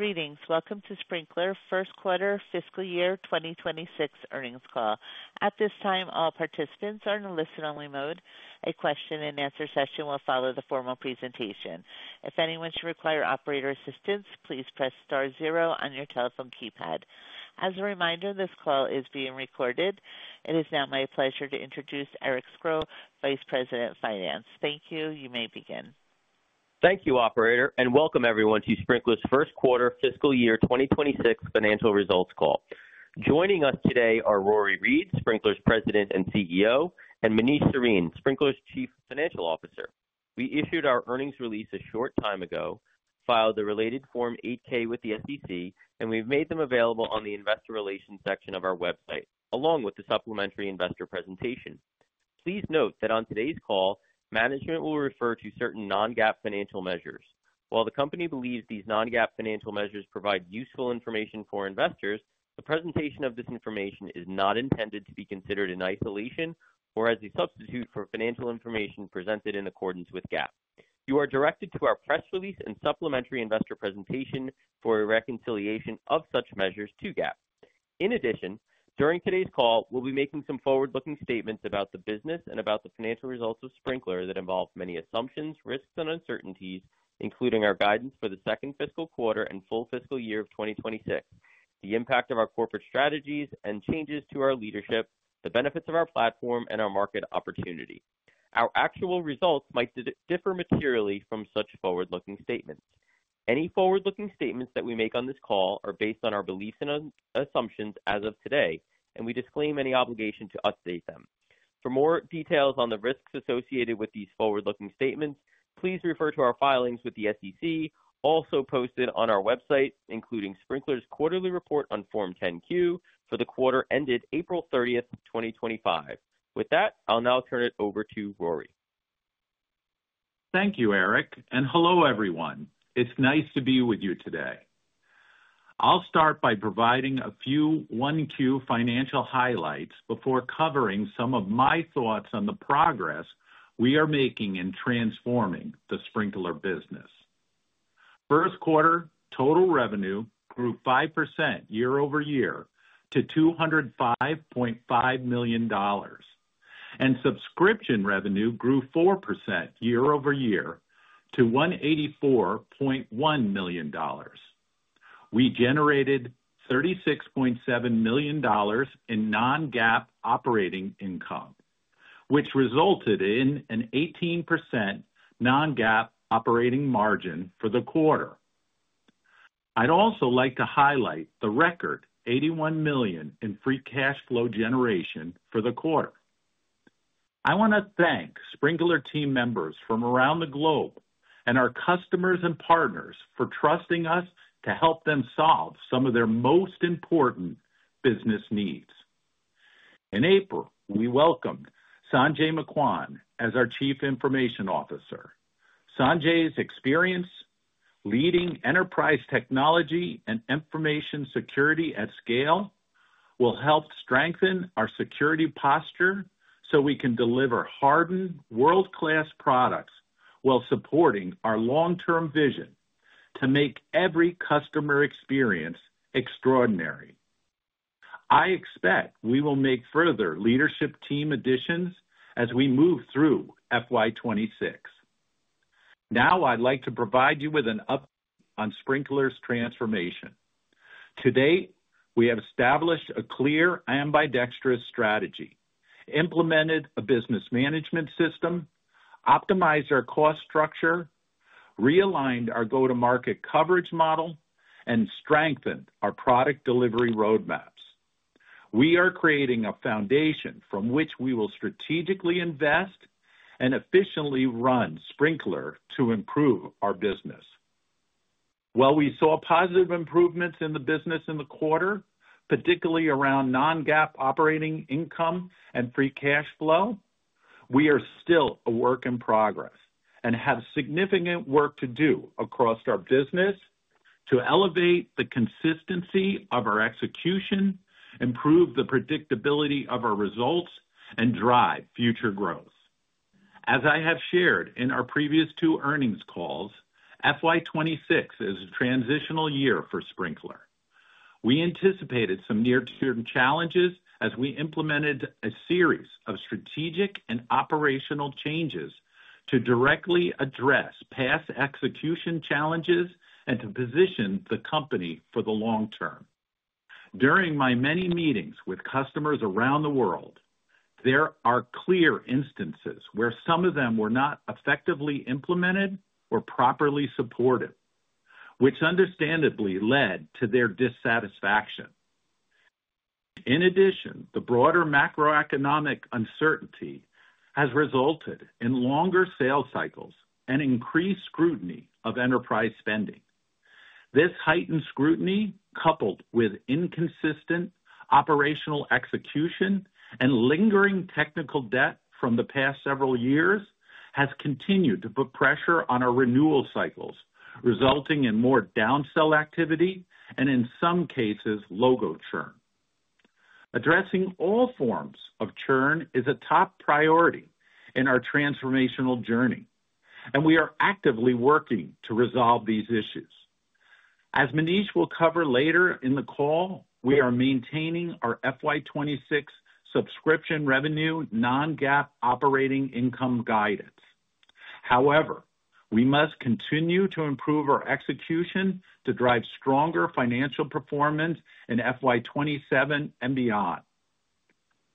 Greetings. Welcome to Sprinklr's first-quarter fiscal year 2026 earnings call. At this time, all participants are in a listen-only mode. A question-and-answer session will follow the formal presentation. If anyone should require operator assistance, please press star zero on your telephone keypad. As a reminder, this call is being recorded. It is now my pleasure to introduce Eric Scro, Vice President of Finance. Thank you. You may begin. Thank you, Operator, and welcome everyone to Sprinklr's first-quarter fiscal year 2026 financial results call. Joining us today are Rory Read, Sprinklr's President and CEO, and Manish Sarin, Sprinklr's Chief Financial Officer. We issued our earnings release a short time ago, filed the related Form 8K with the SEC, and we have made them available on the Investor Relations section of our website, along with the supplementary investor presentation. Please note that on today's call, management will refer to certain non-GAAP financial measures. While the company believes these non-GAAP financial measures provide useful information for investors, the presentation of this information is not intended to be considered in isolation or as a substitute for financial information presented in accordance with GAAP. You are directed to our press release and supplementary investor presentation for a reconciliation of such measures to GAAP. In addition, during today's call, we'll be making some forward-looking statements about the business and about the financial results of Sprinklr that involve many assumptions, risks, and uncertainties, including our guidance for the second fiscal quarter and full fiscal year of 2026, the impact of our corporate strategies and changes to our leadership, the benefits of our platform, and our market opportunity. Our actual results might differ materially from such forward-looking statements. Any forward-looking statements that we make on this call are based on our beliefs and assumptions as of today, and we disclaim any obligation to update them. For more details on the risks associated with these forward-looking statements, please refer to our filings with the SEC, also posted on our website, including Sprinklr's quarterly report on Form 10-Q for the quarter ended April 30, 2025. With that, I'll now turn it over to Rory. Thank you, Eric, and hello everyone. It's nice to be with you today. I'll start by providing a few 1Q financial highlights before covering some of my thoughts on the progress we are making in transforming the Sprinklr business. First quarter, total revenue grew 5% Year over Year to $205.5 million, and subscription revenue grew 4% year over year to $184.1 million. We generated $36.7 million in non-GAAP operating income, which resulted in an 18% non-GAAP operating margin for the quarter. I'd also like to highlight the record $81 million in free cash flow generation for the quarter. I want to thank Sprinklr team members from around the globe and our customers and partners for trusting us to help them solve some of their most important business needs. In April, we welcomed Sanjay Mckwan as our Chief Information Officer. Sanjay's experience leading enterprise technology and information security at scale will help strengthen our security posture so we can deliver hardened, world-class products while supporting our long-term vision to make every customer experience extraordinary. I expect we will make further leadership team additions as we move through FY26. Now, I'd like to provide you with an update on Sprinklr's transformation. To date, we have established a clear and ambidextrous strategy, implemented a business management system, optimized our cost structure, realigned our go-to-market coverage model, and strengthened our product delivery roadmaps. We are creating a foundation from which we will strategically invest and efficiently run Sprinklr to improve our business. While we saw positive improvements in the business in the quarter, particularly around non-GAAP operating income and free cash flow, we are still a work in progress and have significant work to do across our business to elevate the consistency of our execution, improve the predictability of our results, and drive future growth. As I have shared in our previous two earnings calls, FY26 is a transitional year for Sprinklr. We anticipated some near-term challenges as we implemented a series of strategic and operational changes to directly address past execution challenges and to position the company for the long term. During my many meetings with customers around the world, there are clear instances where some of them were not effectively implemented or properly supported, which understandably led to their dissatisfaction. In addition, the broader macroeconomic uncertainty has resulted in longer sales cycles and increased scrutiny of enterprise spending. This heightened scrutiny, coupled with inconsistent operational execution and lingering technical debt from the past several years, has continued to put pressure on our renewal cycles, resulting in more downsell activity and, in some cases, logo churn. Addressing all forms of churn is a top priority in our transformational journey, and we are actively working to resolve these issues. As Manish will cover later in the call, we are maintaining our FY26 subscription revenue non-GAAP operating income guidance. However, we must continue to improve our execution to drive stronger financial performance in FY27 and beyond.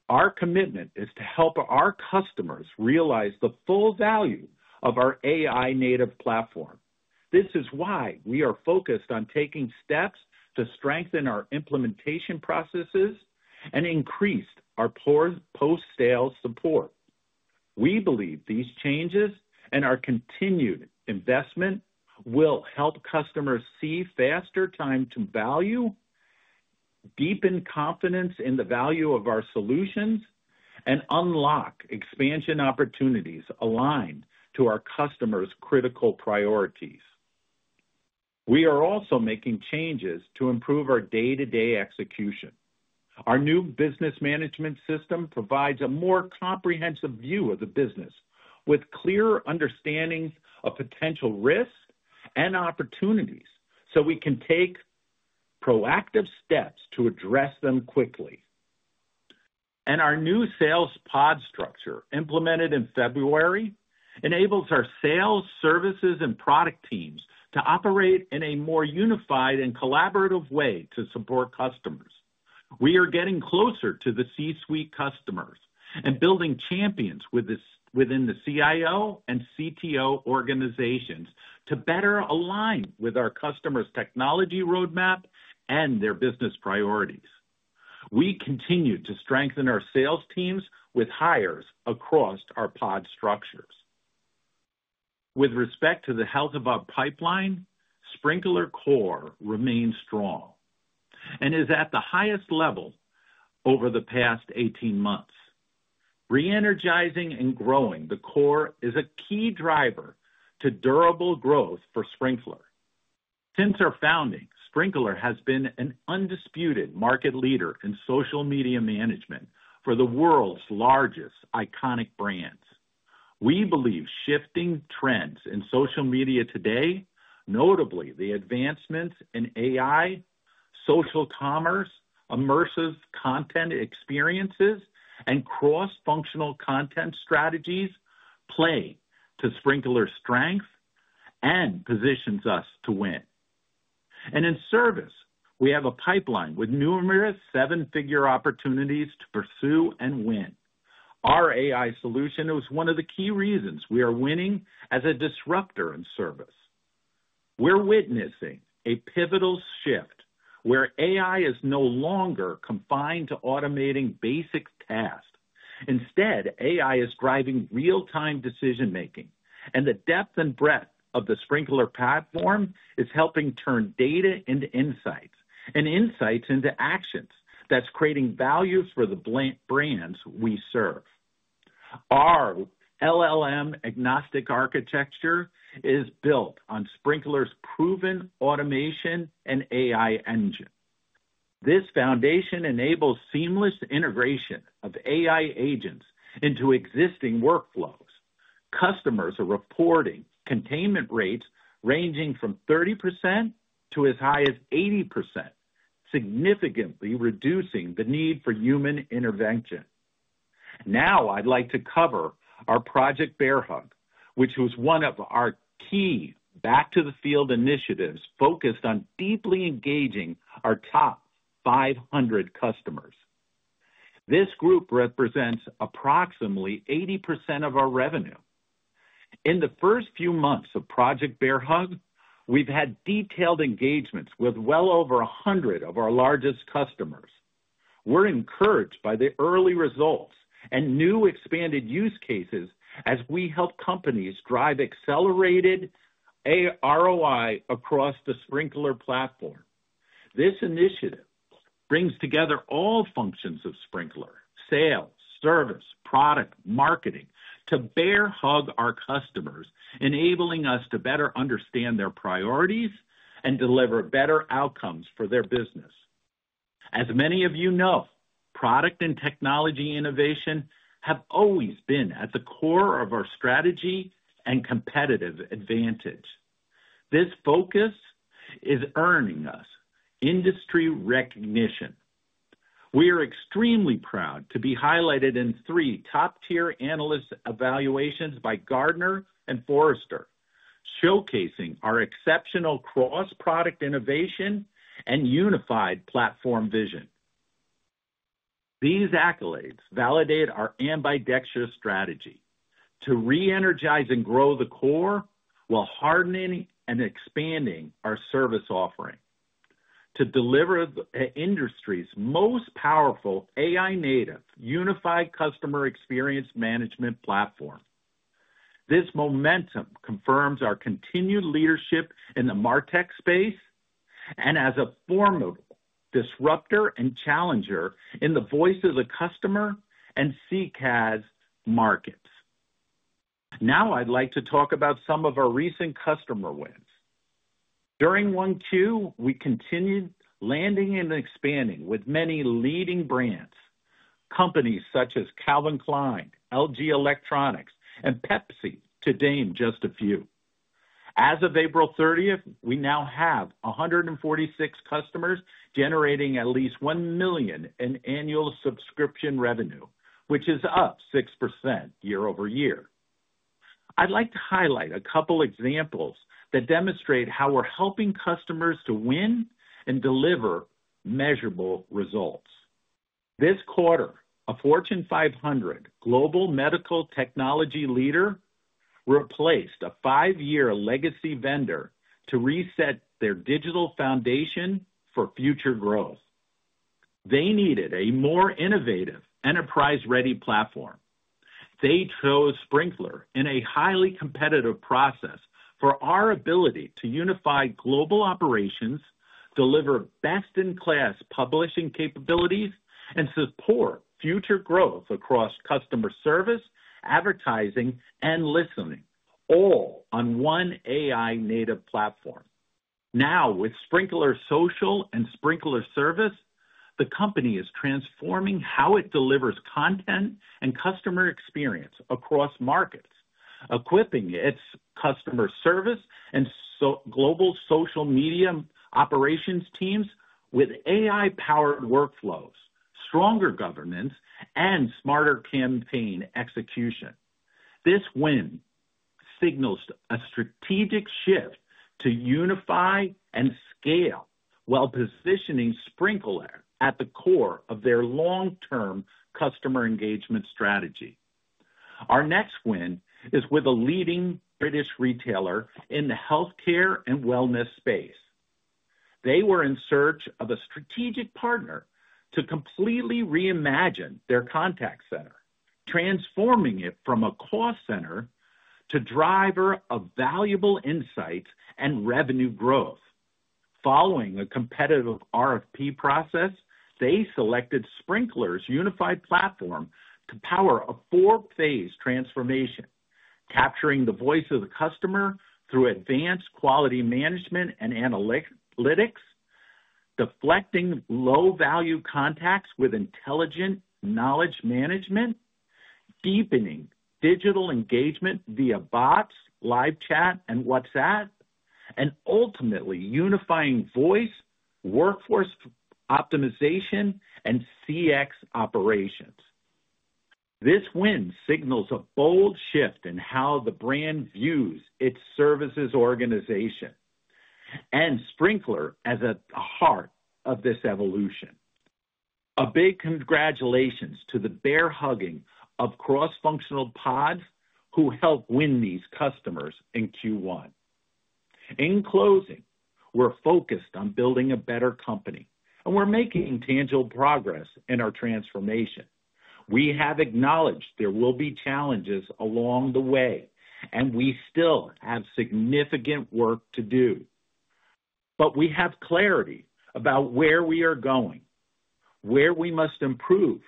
Our commitment is to help our customers realize the full value of our AI-native platform. This is why we are focused on taking steps to strengthen our implementation processes and increase our post-sale support. We believe these changes and our continued investment will help customers see faster time to value, deepen confidence in the value of our solutions, and unlock expansion opportunities aligned to our customers' critical priorities. We are also making changes to improve our day-to-day execution. Our new business management system provides a more comprehensive view of the business with clearer understandings of potential risks and opportunities so we can take proactive steps to address them quickly. Our new sales pod structure, implemented in February, enables our sales, services, and product teams to operate in a more unified and collaborative way to support customers. We are getting closer to the C-suite customers and building champions within the CIO and CTO organizations to better align with our customers' technology roadmap and their business priorities. We continue to strengthen our sales teams with hires across our pod structures. With respect to the health of our pipeline, Sprinklr core remains strong and is at the highest level over the past 18 months. Re-energizing and growing the core is a key driver to durable growth for Sprinklr. Since our founding, Sprinklr has been an undisputed market leader in social media management for the world's largest iconic brands. We believe shifting trends in social media today, notably the advancements in AI, social commerce, immersive content experiences, and cross-functional content strategies, play to Sprinklr's strength and positions us to win. In service, we have a pipeline with numerous seven-figure opportunities to pursue and win. Our AI solution was one of the key reasons we are winning as a disruptor in service. We're witnessing a pivotal shift where AI is no longer confined to automating basic tasks. Instead, AI is driving real-time decision-making, and the depth and breadth of the Sprinklr platform is helping turn data into insights and insights into actions that's creating value for the brands we serve. Our LLM agnostic architecture is built on Sprinklr's proven automation and AI engine. This foundation enables seamless integration of AI agents into existing workflows. Customers are reporting containment rates ranging from 30% to as high as 80%, significantly reducing the need for human intervention. Now, I'd like to cover our project Bear Hug, which was one of our key back-to-the-field initiatives focused on deeply engaging our top 500 customers. This group represents approximately 80% of our revenue. In the first few months of Project Bear Hug, we've had detailed engagements with well over 100 of our largest customers. We're encouraged by the early results and new expanded use cases as we help companies drive accelerated ROI across the Sprinklr platform. This initiative brings together all functions of Sprinklr: sales, service, product, marketing to bear hug our customers, enabling us to better understand their priorities and deliver better outcomes for their business. As many of you know, product and technology innovation have always been at the core of our strategy and competitive advantage. This focus is earning us industry recognition. We are extremely proud to be highlighted in three top-tier analyst evaluations by Gartner and Forrester, showcasing our exceptional cross-product innovation and unified platform vision. These accolades validate our ambidextrous strategy to re-energize and grow the core while hardening and expanding our service offering to deliver the industry's most powerful AI-native unified customer experience management platform. This momentum confirms our continued leadership in the MarTech space and as a formidable disruptor and challenger in the voice of the customer and CCaaS markets. Now, I'd like to talk about some of our recent customer wins. During 1Q, we continued landing and expanding with many leading brands, companies such as Calvin Klein, LG Electronics, and Pepsi, to name just a few. As of April 30, we now have 146 customers generating at least 1 million in annual subscription revenue, which is up 6% Year-over-Year. I'd like to highlight a couple of examples that demonstrate how we're helping customers to win and deliver measurable results. This quarter, a Fortune 500 global medical technology leader replaced a five-year legacy vendor to reset their digital foundation for future growth. They needed a more innovative enterprise-ready platform. They chose Sprinklr in a highly competitive process for our ability to unify global operations, deliver best-in-class publishing capabilities, and support future growth across customer service, advertising, and listening, all on one AI-native platform. Now, with Sprinklr Social and Sprinklr Service, the company is transforming how it delivers content and customer experience across markets, equipping its customer service and global social media operations teams with AI-powered workflows, stronger governance, and smarter campaign execution. This win signals a strategic shift to unify and scale while positioning Sprinklr at the core of their long-term customer engagement strategy. Our next win is with a leading British retailer in the healthcare and wellness space. They were in search of a strategic partner to completely reimagine their contact center, transforming it from a call center to a driver of valuable insights and revenue growth. Following a competitive RFP process, they selected Sprinklr's unified platform to power a four-phase transformation, capturing the voice of the customer through advanced quality management and analytics, deflecting low-value contacts with intelligent knowledge management, deepening digital engagement via bots, live chat, and WhatsApp, and ultimately unifying voice, workforce optimization, and CX operations. This win signals a bold shift in how the brand views its services organization and Sprinklr as at the heart of this evolution. A big congratulations to the bear hugging of cross-functional pods who helped win these customers in Q1. In closing, we're focused on building a better company, and we're making tangible progress in our transformation. We have acknowledged there will be challenges along the way, and we still have significant work to do. We have clarity about where we are going, where we must improve,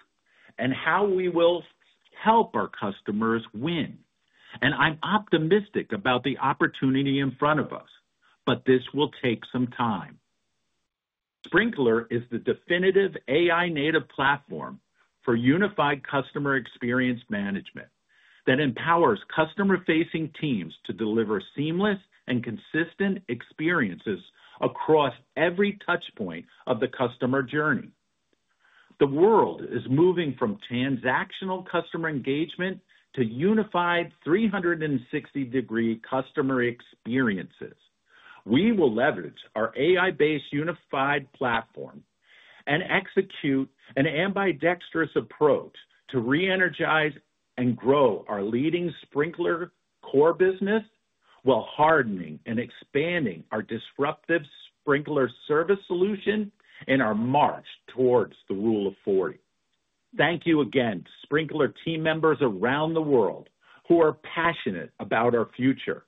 and how we will help our customers win. I'm optimistic about the opportunity in front of us, but this will take some time. Sprinklr is the definitive AI-native platform for unified customer experience management that empowers customer-facing teams to deliver seamless and consistent experiences across every touchpoint of the customer journey. The world is moving from transactional customer engagement to unified 360-degree customer experiences. We will leverage our AI-based unified platform and execute an ambidextrous approach to re-energize and grow our leading Sprinklr core business while hardening and expanding our disruptive Sprinklr Service solution in our march towards the Rule of 40. Thank you again to Sprinklr team members around the world who are passionate about our future.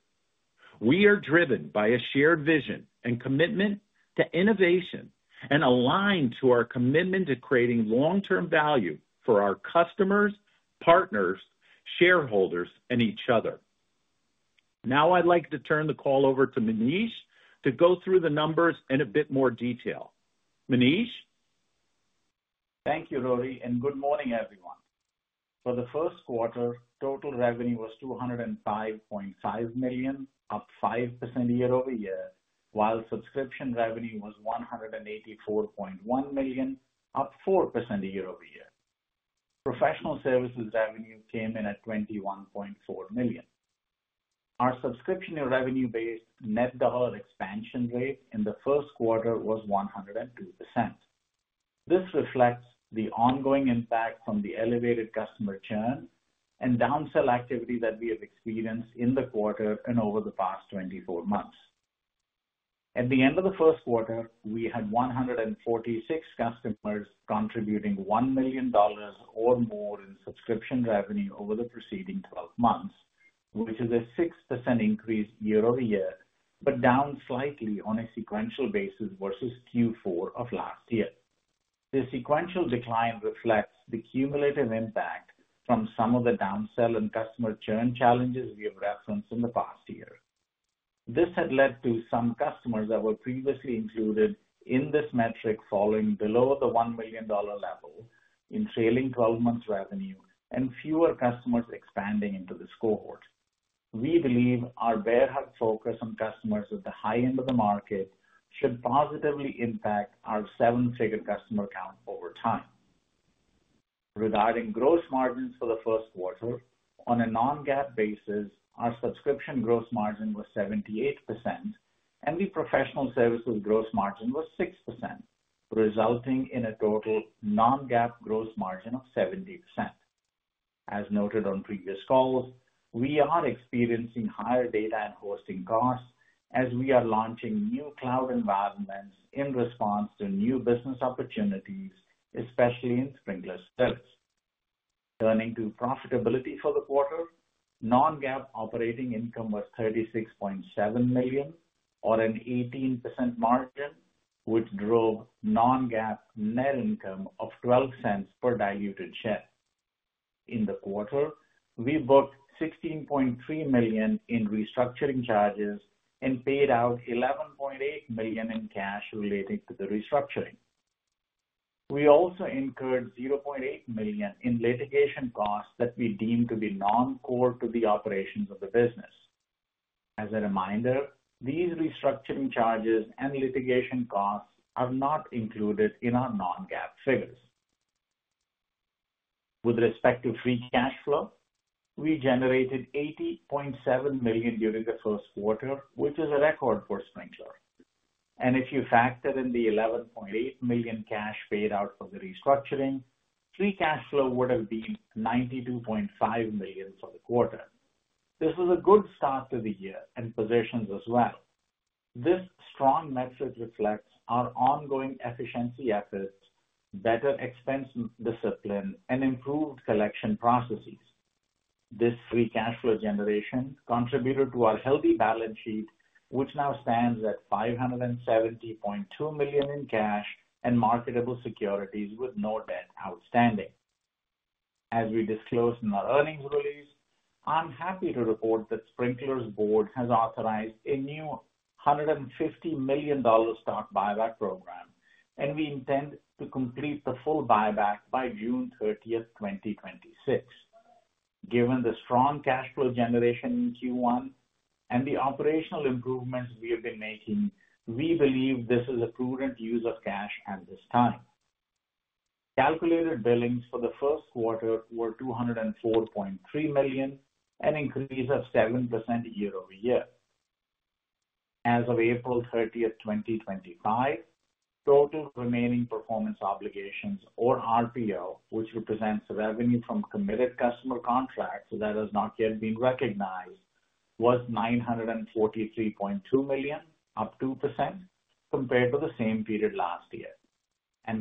We are driven by a shared vision and commitment to innovation and aligned to our commitment to creating long-term value for our customers, partners, shareholders, and each other. Now, I'd like to turn the call over to Manish to go through the numbers in a bit more detail. Manish. Thank you, Rory, and good morning, everyone. For the first quarter, total revenue was $205.5 million, up 5% Year-over-Year, while subscription revenue was $184.1 million, up 4% Year-over-Year. Professional services revenue came in at $21.4 million. Our subscription revenue-based net dollar expansion rate in the first quarter was 102%. This reflects the ongoing impact from the elevated customer churn and down sell activity that we have experienced in the quarter and over the past 24 months. At the end of the first quarter, we had 146 customers contributing $1 million or more in subscription revenue over the preceding 12 months, which is a 6% increase Year-over-Year, but down slightly on a sequential basis versus Q4 of last year. The sequential decline reflects the cumulative impact from some of the downsell and customer churn challenges we have referenced in the past year. This had led to some customers that were previously included in this metric falling below the $1 million level in trailing 12 months revenue and fewer customers expanding into this cohort. We believe our bear hug focus on customers at the high end of the market should positively impact our seven-figure customer count over time. Regarding gross margins for the first quarter, on a non-GAAP basis, our subscription gross margin was 78%, and the professional services gross margin was 6%, resulting in a total non-GAAP gross margin of 70%. As noted on previous calls, we are experiencing higher data and hosting costs as we are launching new cloud environments in response to new business opportunities, especially in Sprinklr Service. Turning to profitability for the quarter, non-GAAP operating income was $36.7 million, or an 18% margin, which drove non-GAAP net income of $0.12 per diluted share. In the quarter, we booked $16.3 million in restructuring charges and paid out $11.8 million in cash related to the restructuring. We also incurred $0.8 million in litigation costs that we deemed to be non-core to the operations of the business. As a reminder, these restructuring charges and litigation costs are not included in our non-GAAP figures. With respect to free cash flow, we generated $80.7 million during the first quarter, which is a record for Sprinklr. If you factor in the $11.8 million cash paid out for the restructuring, free cash flow would have been $92.5 million for the quarter. This was a good start to the year and positions us well. This strong metric reflects our ongoing efficiency efforts, better expense discipline, and improved collection processes. This free cash flow generation contributed to our healthy balance sheet, which now stands at $570.2 million in cash and marketable securities with no debt outstanding. As we disclosed in our earnings release, I'm happy to report that Sprinklr's board has authorized a new $150 million stock buyback program, and we intend to complete the full buyback by June 30, 2026. Given the strong cash flow generation in Q1 and the operational improvements we have been making, we believe this is a prudent use of cash at this time. Calculated billings for the first quarter were $204.3 million, an increase of 7% Year-over-Year. As of April 30th, 2025, total remaining performance obligations, or RPO, which represents revenue from committed customer contracts that have not yet been recognized, was $943.2 million, up 2% compared to the same period last year.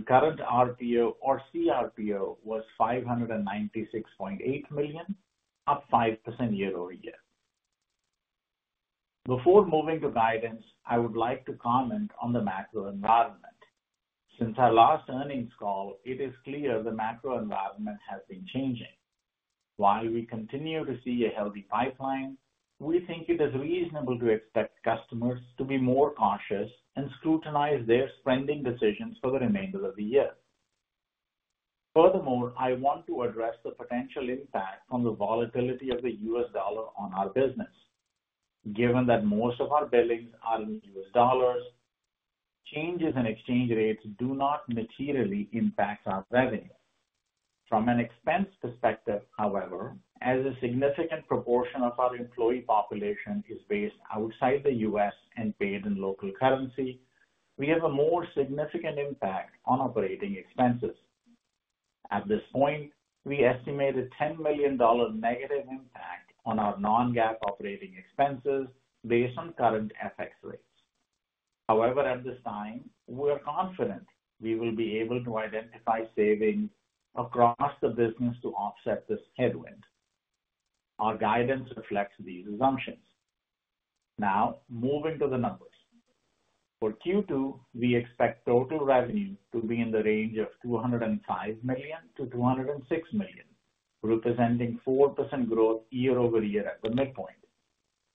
Current RPO, or CRPO, was $596.8 million, up 5% Year-over-Year. Before moving to guidance, I would like to comment on the macro environment. Since our last earnings call, it is clear the macro environment has been changing. While we continue to see a healthy pipeline, we think it is reasonable to expect customers to be more cautious and scrutinize their spending decisions for the remainder of the year. Furthermore, I want to address the potential impact on the volatility of the U.S. dollar on our business. Given that most of our billings are in U.S. dollars, changes in exchange rates do not materially impact our revenue. From an expense perspective, however, as a significant proportion of our employee population is based outside the U.S. and paid in local currency, we have a more significant impact on operating expenses. At this point, we estimate a $10 million negative impact on our non-GAAP operating expenses based on current FX rates. However, at this time, we are confident we will be able to identify savings across the business to offset this headwind. Our guidance reflects these assumptions. Now, moving to the numbers. For Q2, we expect total revenue to be in the range of $205 million-$206 million, representing 4% growth year over year at the midpoint.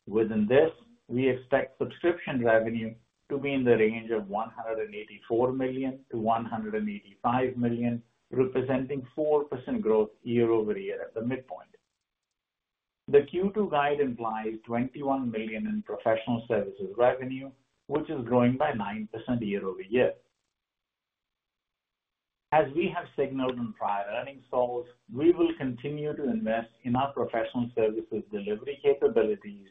Within this, we expect subscription revenue to be in the range of $184 million-$185 million, representing 4% growth Year-over-Year at the midpoint. The Q2 guide implies $21 million in professional services revenue, which is growing by 9% Year-over-Year. As we have signaled in prior earnings calls, we will continue to invest in our professional services delivery capabilities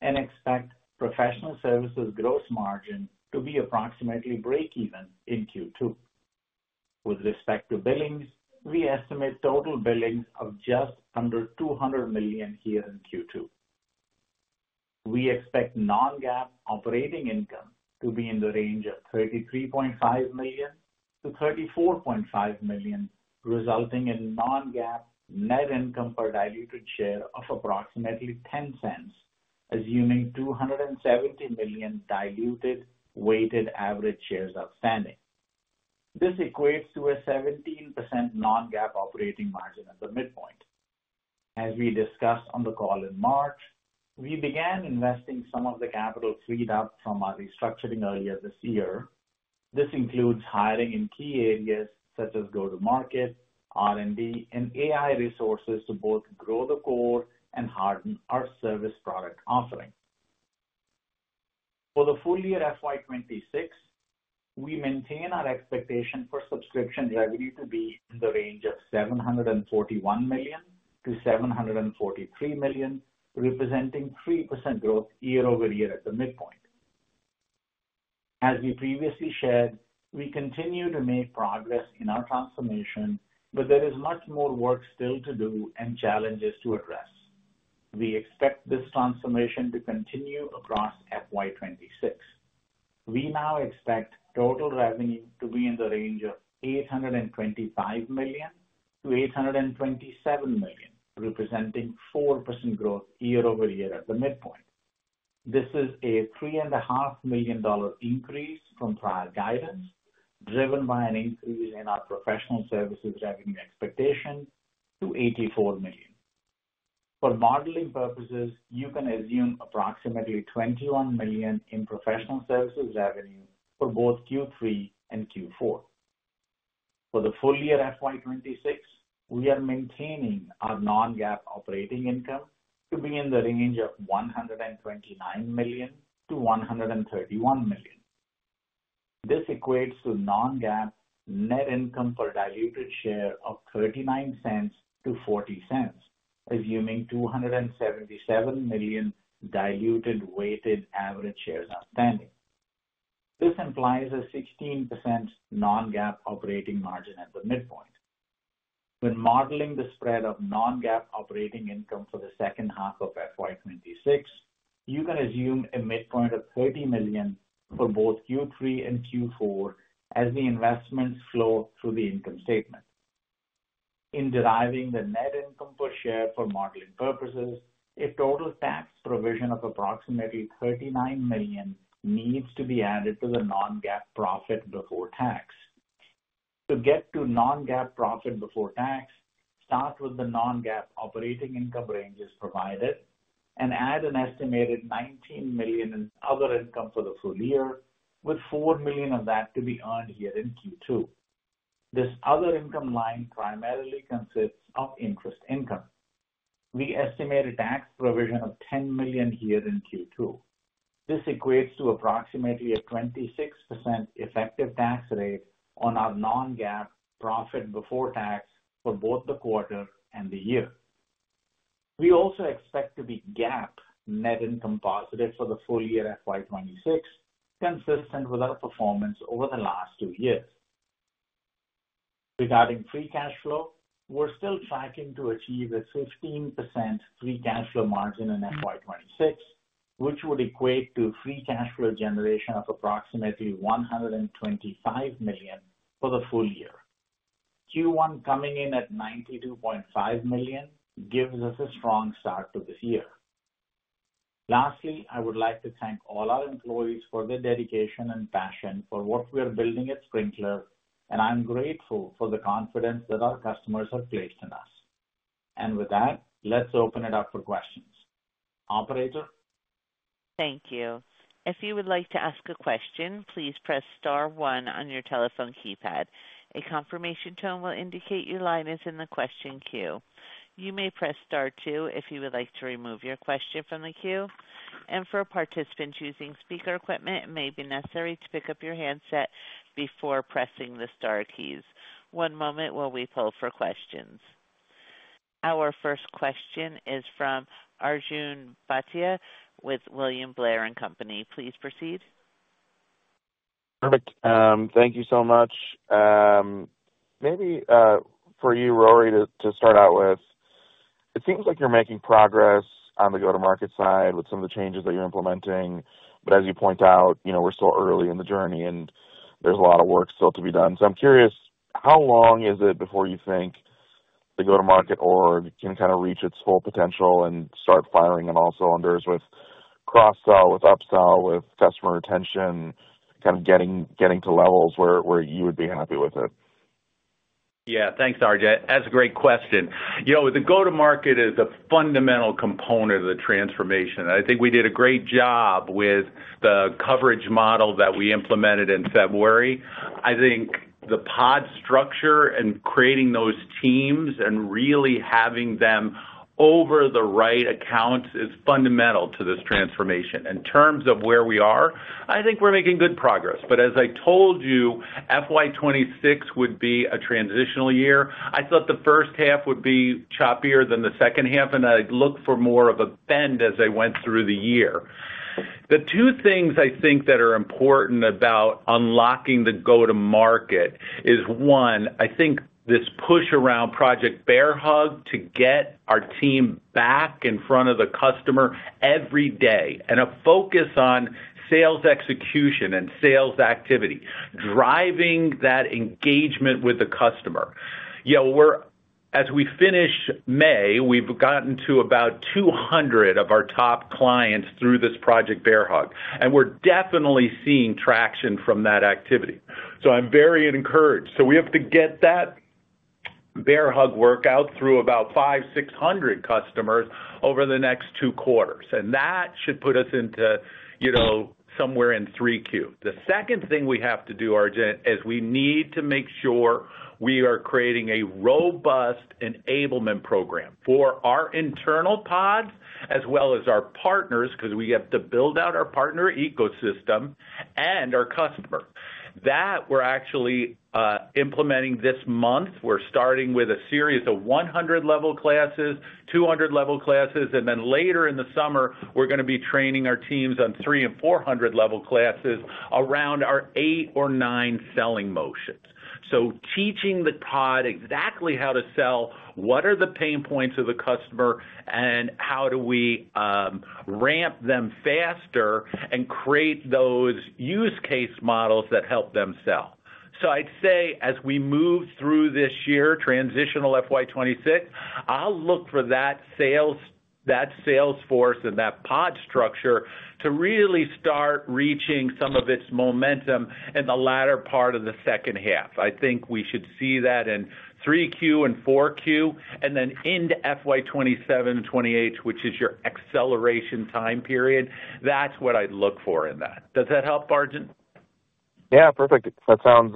and expect professional services gross margin to be approximately break-even in Q2. With respect to billings, we estimate total billings of just under $200 million here in Q2. We expect non-GAAP operating income to be in the range of $33.5 million-$34.5 million, resulting in non-GAAP net income per diluted share of approximately $0.10, assuming 270 million diluted weighted average shares outstanding. This equates to a 17% non-GAAP operating margin at the midpoint. As we discussed on the call in March, we began investing some of the capital freed up from our restructuring earlier this year. This includes hiring in key areas such as go-to-market, R&D, and AI resources to both grow the core and harden our service product offering. For the full year FY26, we maintain our expectation for subscription revenue to be in the range of $741 million-$743 million, representing 3% growth Year-over-Year at the midpoint. As we previously shared, we continue to make progress in our transformation, but there is much more work still to do and challenges to address. We expect this transformation to continue across FY26. We now expect total revenue to be in the range of $825 million-$827 million, representing 4% growth Year-over-Year at the midpoint. This is a $3.5 million increase from prior guidance, driven by an increase in our professional services revenue expectation to $84 million. For modeling purposes, you can assume approximately $21 million in professional services revenue for both Q3 and Q4. For the full year FY26, we are maintaining our non-GAAP operating income to be in the range of $129 million-$131 million. This equates to non-GAAP net income per diluted share of $0.39-$0.40, assuming 277 million diluted weighted average shares outstanding. This implies a 16% non-GAAP operating margin at the midpoint. When modeling the spread of non-GAAP operating income for the second half of FY26, you can assume a midpoint of $30 million for both Q3 and Q4 as the investments flow through the income statement. In deriving the net income per share for modeling purposes, a total tax provision of approximately $39 million needs to be added to the non-GAAP profit before tax. To get to non-GAAP profit before tax, start with the non-GAAP operating income ranges provided and add an estimated $19 million in other income for the full year, with $4 million of that to be earned here in Q2. This other income line primarily consists of interest income. We estimate a tax provision of $10 million here in Q2. This equates to approximately a 26% effective tax rate on our non-GAAP profit before tax for both the quarter and the year. We also expect to be GAAP net income positive for the full year FY26, consistent with our performance over the last two years. Regarding free cash flow, we're still tracking to achieve a 15% free cash flow margin in FY26, which would equate to free cash flow generation of approximately $125 million for the full year. Q1 coming in at $92.5 million gives us a strong start to this year. Lastly, I would like to thank all our employees for their dedication and passion for what we are building at Sprinklr, and I'm grateful for the confidence that our customers have placed in us. With that, let's open it up for questions. Operator. Thank you. If you would like to ask a question, please press Star 1 on your telephone keypad. A confirmation tone will indicate your line is in the question queue. You may press Star 2 if you would like to remove your question from the queue. For participants using speaker equipment, it may be necessary to pick up your handset before pressing the Star keys. One moment while we pull for questions. Our first question is from Arjun Bhatia with William Blair. Please proceed. Perfect. Thank you so much. Maybe for you, Rory, to start out with, it seems like you're making progress on the go-to-market side with some of the changes that you're implementing. As you point out, we're still early in the journey, and there's a lot of work still to be done. I'm curious, how long is it before you think the go-to-market org can kind of reach its full potential and start firing and also endorse with cross-sell, with upsell, with customer retention, kind of getting to levels where you would be happy with it? Yeah. Thanks, Arjun. That's a great question. The go-to-market is a fundamental component of the transformation. I think we did a great job with the coverage model that we implemented in February. I think the pod structure and creating those teams and really having them over the right accounts is fundamental to this transformation. In terms of where we are, I think we're making good progress. As I told you, FY26 would be a transitional year. I thought the first half would be choppier than the second half, and I looked for more of a bend as I went through the year. The two things I think that are important about unlocking the go-to-market is, one, I think this push around Project Bear Hug to get our team back in front of the customer every day and a focus on sales execution and sales activity, driving that engagement with the customer. As we finish May, we've gotten to about 200 of our top clients through this Project Bear Hug, and we're definitely seeing traction from that activity. I am very encouraged. We have to get that Bear Hug workout through about 500-600 customers over the next two quarters. That should put us into somewhere in 3Q. The second thing we have to do, Arjun, is we need to make sure we are creating a robust enablement program for our internal pods as well as our partners because we have to build out our partner ecosystem and our customer. That we are actually implementing this month. We are starting with a series of 100-level classes, 200-level classes, and then later in the summer, we are going to be training our teams on 300 and 400-level classes around our eight or nine selling motions. Teaching the pod exactly how to sell, what are the pain points of the customer, and how do we ramp them faster and create those use case models that help them sell. I'd say as we move through this year, transitional FY26, I'll look for that sales force and that pod structure to really start reaching some of its momentum in the latter part of the second half. I think we should see that in 3Q and 4Q, and then into FY27 and 28, which is your acceleration time period. That's what I'd look for in that. Does that help, Arjun? Yeah. Perfect. That sounds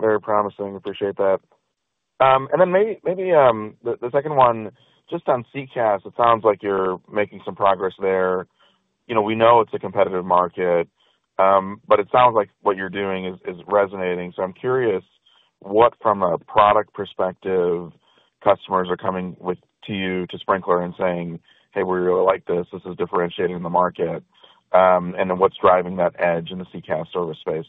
very promising. Appreciate that. Maybe the second one, just on CCaaS, it sounds like you're making some progress there. We know it's a competitive market, but it sounds like what you're doing is resonating. I'm curious what, from a product perspective, customers are coming to you, to Sprinklr, and saying, "Hey, we really like this. This is differentiating in the market. What's driving that edge in the CCaaS service space?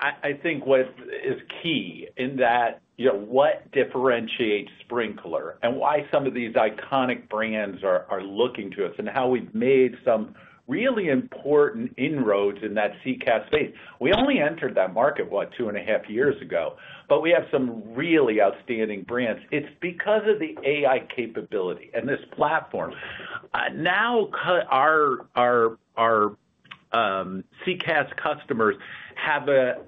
I think what is key in that, what differentiates Sprinklr and why some of these iconic brands are looking to us and how we've made some really important inroads in that CCaaS space. We only entered that market, what, two and a half years ago, but we have some really outstanding brands. It's because of the AI capability and this platform. Now our CCaaS customers,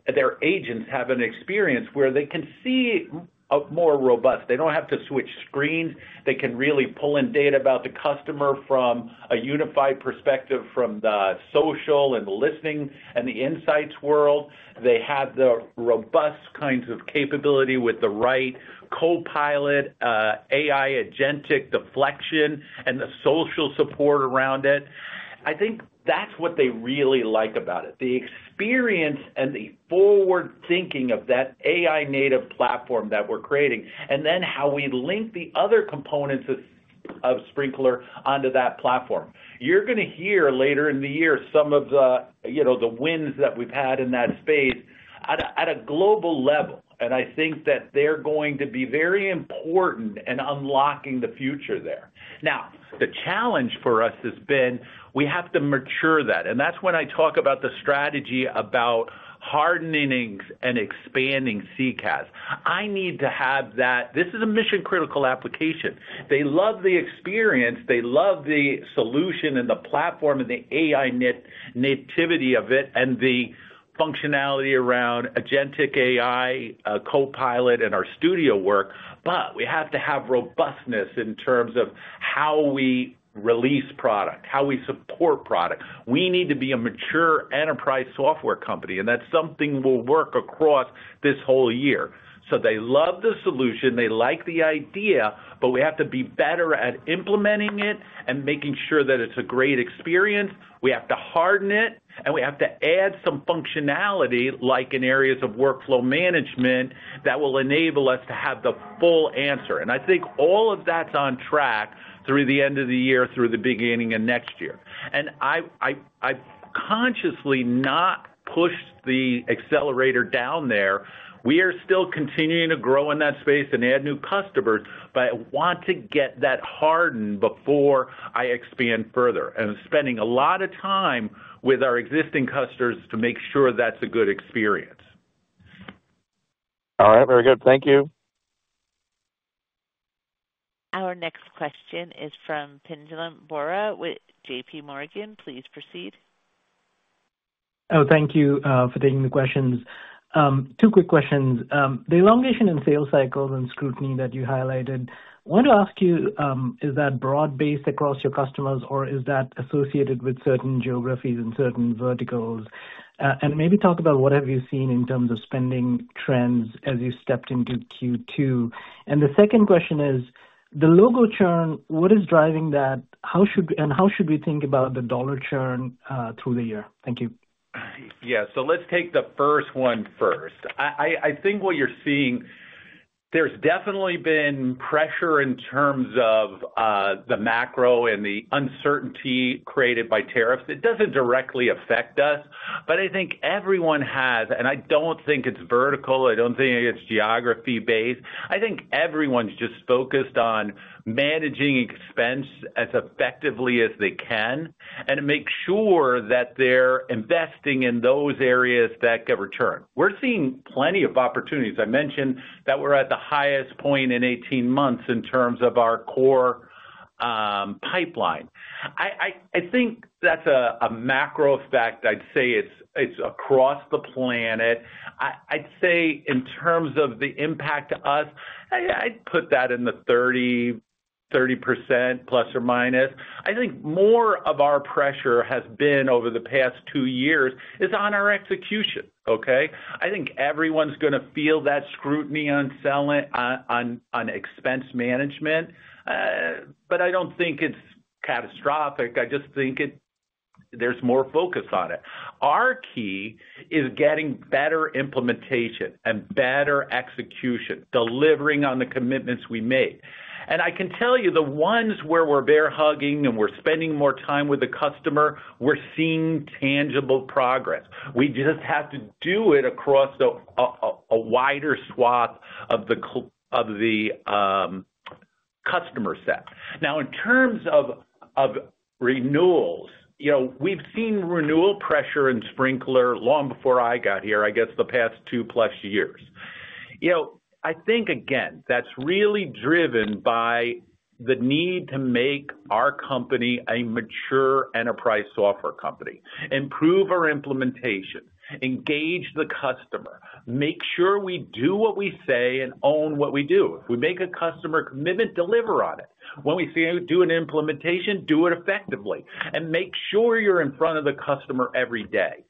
their agents have an experience where they can see more robust. They don't have to switch screens. They can really pull in data about the customer from a unified perspective from the social and listening and the insights world. They have the robust kinds of capability with the right Copilot, AI agentic deflection, and the social support around it. I think that's what they really like about it. The experience and the forward thinking of that AI-native platform that we're creating, and then how we link the other components of Sprinklr onto that platform. You are going to hear later in the year some of the wins that we have had in that space at a global level. I think that they are going to be very important in unlocking the future there. Now, the challenge for us has been we have to mature that. That is when I talk about the strategy about hardening and expanding CCaaS. I need to have that. This is a mission-critical application. They love the experience. They love the solution and the platform and the AI nativity of it and the functionality around agentic AI, copilot, and our studio work. We have to have robustness in terms of how we release product, how we support product. We need to be a mature enterprise software company, and that's something we'll work across this whole year. They love the solution. They like the idea, but we have to be better at implementing it and making sure that it's a great experience. We have to harden it, and we have to add some functionality like in areas of workflow management that will enable us to have the full answer. I think all of that's on track through the end of the year, through the beginning of next year. I've consciously not pushed the accelerator down there. We are still continuing to grow in that space and add new customers, but I want to get that hardened before I expand further. I'm spending a lot of time with our existing customers to make sure that's a good experience. All right. Very good. Thank you. Our next question is from Pavan Bora with JPMorgan. Please proceed. Oh, thank you for taking the questions. Two quick questions. The elongation in sales cycles and scrutiny that you highlighted, I want to ask you, is that broad-based across your customers, or is that associated with certain geographies and certain verticals? Maybe talk about what have you seen in terms of spending trends as you stepped into Q2. The second question is, the logo churn, what is driving that, and how should we think about the dollar churn through the year? Thank you. Yeah. Let's take the first one first. I think what you're seeing, there's definitely been pressure in terms of the macro and the uncertainty created by tariffs. It doesn't directly affect us, but I think everyone has, and I don't think it's vertical. I don't think it's geography-based. I think everyone's just focused on managing expense as effectively as they can and make sure that they're investing in those areas that get returned. We're seeing plenty of opportunities. I mentioned that we're at the highest point in 18 months in terms of our core pipeline. I think that's a macro effect. I'd say it's across the planet. I'd say in terms of the impact to us, I'd put that in the 30% plus or minus. I think more of our pressure has been over the past two years is on our execution. Okay? I think everyone's going to feel that scrutiny on selling, on expense management, but I don't think it's catastrophic. I just think there's more focus on it. Our key is getting better implementation and better execution, delivering on the commitments we made. I can tell you the ones where we're bear hugging and we're spending more time with the customer, we're seeing tangible progress. We just have to do it across a wider swath of the customer set. Now, in terms of renewals, we've seen renewal pressure in Sprinklr long before I got here, I guess the past two plus years. I think, again, that's really driven by the need to make our company a mature enterprise software company, improve our implementation, engage the customer, make sure we do what we say and own what we do. If we make a customer commitment, deliver on it. When we say do an implementation, do it effectively and make sure you're in front of the customer every day.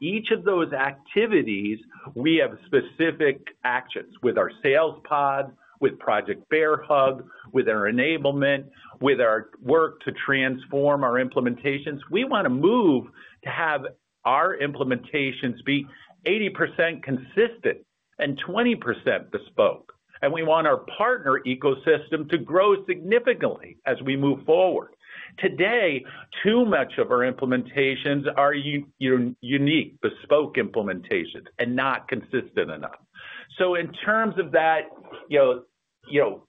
Each of those activities, we have specific actions with our sales pod, with Project Bear Hug, with our enablement, with our work to transform our implementations. We want to move to have our implementations be 80% consistent and 20% bespoke. We want our partner ecosystem to grow significantly as we move forward. Today, too much of our implementations are unique, bespoke implementations and not consistent enough. In terms of that,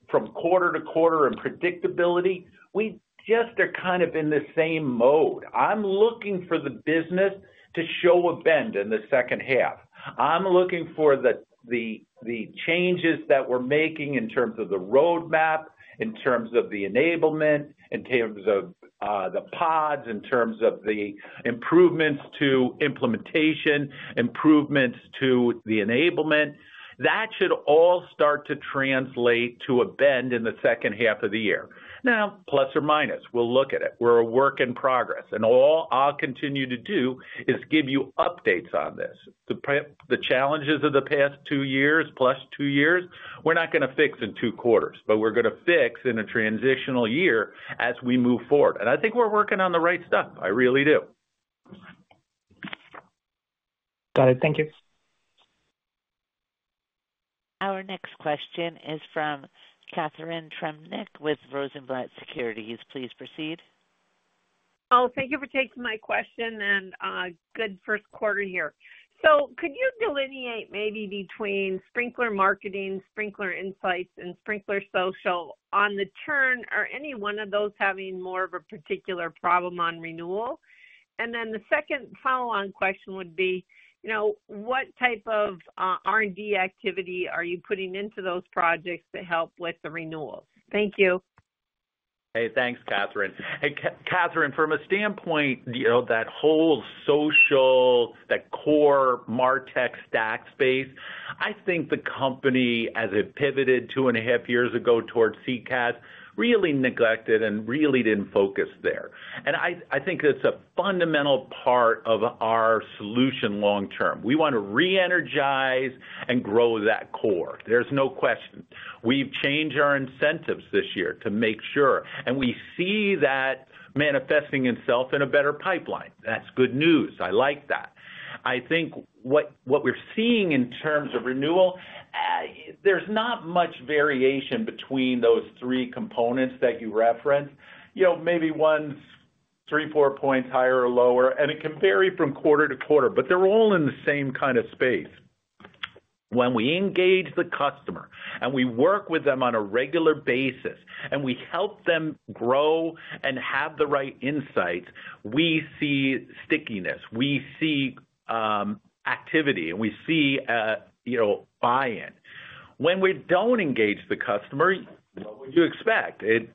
from quarter-to-quarter and predictability, we just are kind of in the same mode. I'm looking for the business to show a bend in the second half. I'm looking for the changes that we're making in terms of the roadmap, in terms of the enablement, in terms of the pods, in terms of the improvements to implementation, improvements to the enablement. That should all start to translate to a bend in the second half of the year. Now, plus or minus, we'll look at it. We're a work in progress. All I'll continue to do is give you updates on this. The challenges of the past two years, plus two years, we're not going to fix in two quarters, but we're going to fix in a transitional year as we move forward. I think we're working on the right stuff. I really do. Got it. Thank you. Our next question is from Catharine Trebnick with Rosenblatt Securities. Please proceed. Oh, thank you for taking my question and good first quarter here. Could you delineate maybe between Sprinklr Marketing, Sprinklr Insights, and Sprinklr Social on the churn? Are any one of those having more of a particular problem on renewal? And then the second follow-on question would be, what type of R&D activity are you putting into those projects to help with the renewals? Thank you. Hey, thanks, Katherine. Katherine, from a standpoint, that whole social, that core MarTech stack space, I think the company, as it pivoted two and a half years ago towards CCaaS, really neglected and really did not focus there. I think it is a fundamental part of our solution long-term. We want to re-energize and grow that core. There is no question. We have changed our incentives this year to make sure. We see that manifesting itself in a better pipeline. That is good news. I like that. I think what we are seeing in terms of renewal, there is not much variation between those three components that you referenced. Maybe one's three, four points higher or lower, and it can vary from quarter to quarter, but they're all in the same kind of space. When we engage the customer and we work with them on a regular basis and we help them grow and have the right insights, we see stickiness. We see activity. We see buy-in. When we don't engage the customer, what would you expect? It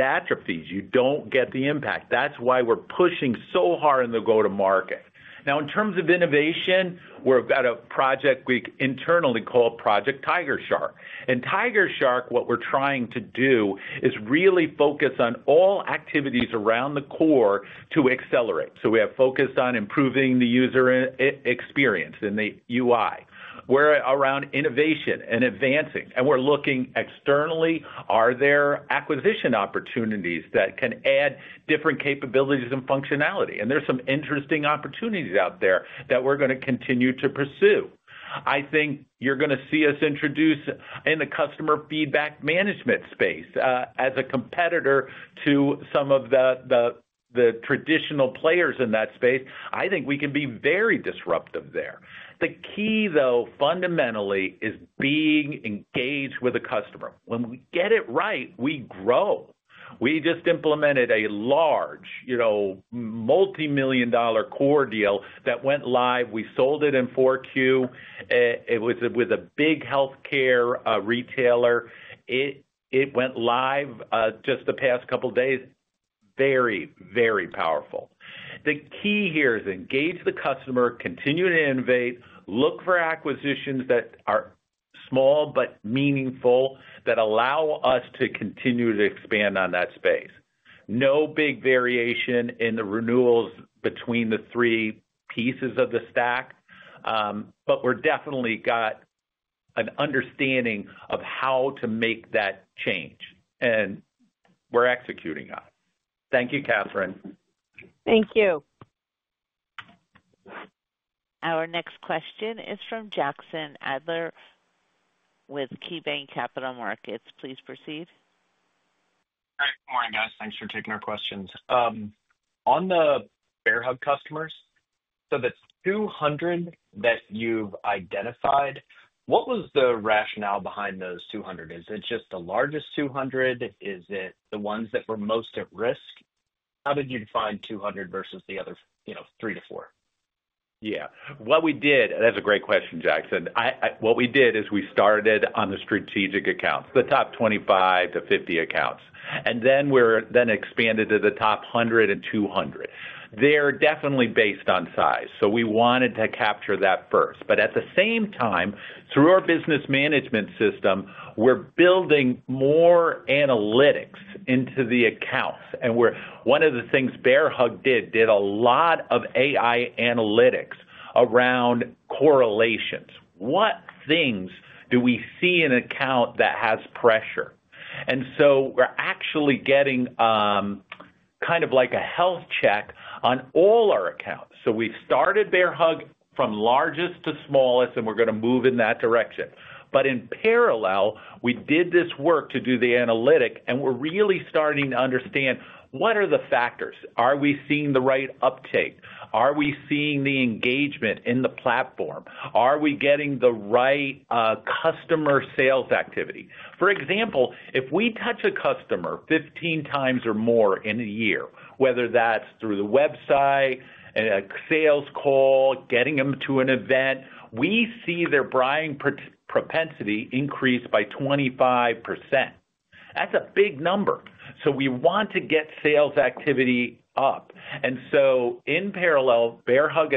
atrophies. You don't get the impact. That's why we're pushing so hard in the go-to-market. Now, in terms of innovation, we've got a project we internally call Project Tiger Shark. In Tiger Shark, what we're trying to do is really focus on all activities around the core to accelerate. So we have focus on improving the user experience and the UI. We're around innovation and advancing. And we're looking externally, are there acquisition opportunities that can add different capabilities and functionality? There are some interesting opportunities out there that we're going to continue to pursue. I think you're going to see us introduce in the customer feedback management space as a competitor to some of the traditional players in that space. I think we can be very disruptive there. The key, though, fundamentally, is being engaged with the customer. When we get it right, we grow. We just implemented a large multi-million dollar core deal that went live. We sold it in Q4. It was with a big healthcare retailer. It went live just the past couple of days. Very, very powerful. The key here is engage the customer, continue to innovate, look for acquisitions that are small but meaningful that allow us to continue to expand on that space. No big variation in the renewals between the three pieces of the stack, but we've definitely got an understanding of how to make that change. And we're executing on it. Thank you, Katherine. Thank you. Our next question is from Jackson Ader with Keybanc Capital Markets. Please proceed. Good morning, guys. Thanks for taking our questions. On the bear hug customers, so that's 200 that you've identified. What was the rationale behind those 200? Is it just the largest 200? Is it the ones that were most at risk? How did you define 200 versus the other three to four? Yeah. What we did, that's a great question, Jackson. What we did is we started on the strategic accounts, the top 25 to 50 accounts. And then we then expanded to the top 100 and 200. They're definitely based on size. So we wanted to capture that first. At the same time, through our business management system, we're building more analytics into the accounts. One of the things Bear Hug did was a lot of AI analytics around correlations. What things do we see in an account that has pressure? We're actually getting kind of like a health check on all our accounts. We've started Bear Hug from largest to smallest, and we're going to move in that direction. In parallel, we did this work to do the analytic, and we're really starting to understand what are the factors. Are we seeing the right uptake? Are we seeing the engagement in the platform? Are we getting the right customer sales activity? For example, if we touch a customer 15 times or more in a year, whether that's through the website, a sales call, getting them to an event, we see their buying propensity increase by 25%. That's a big number. We want to get sales activity up. In parallel, bear hug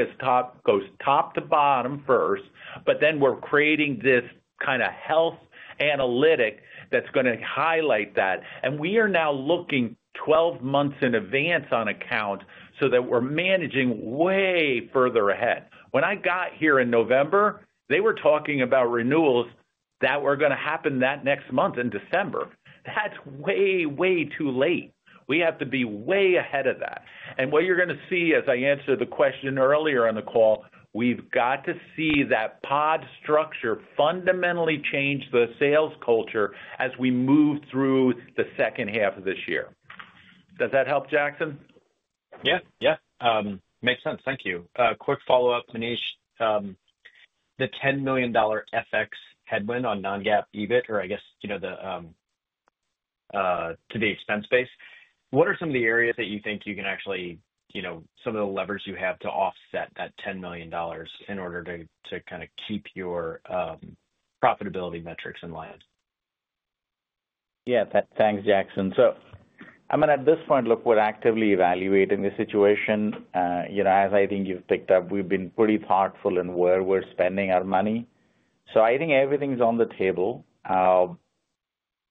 goes top to bottom first, but then we're creating this kind of health analytic that's going to highlight that. We are now looking 12 months in advance on accounts so that we're managing way further ahead. When I got here in November, they were talking about renewals that were going to happen that next month in December. That's way, way too late. We have to be way ahead of that. What you are going to see, as I answered the question earlier on the call, is that we have got to see that pod structure fundamentally change the sales culture as we move through the second half of this year. Does that help, Jackson? Yeah. Yeah. Makes sense. Thank you. Quick follow-up, Manish. The $10 million FX headwind on non-GAAP EBIT, or I guess to the expense base, what are some of the areas that you think you can actually, some of the levers you have to offset that $10 million in order to kind of keep your profitability metrics in line? Yeah. Thanks, Jackson. I am going to, at this point, look at what, actively evaluating the situation. As I think you have picked up, we have been pretty thoughtful in where we are spending our money. I think everything is on the table. As